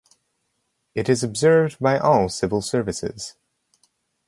It is observed by all Civil Services.